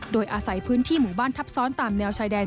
โดยอาศัยพื้นที่หมู่บ้านทับซ้อนตามแนวชายแดน